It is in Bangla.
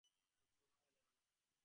চক্র ভাঙা যাবে না?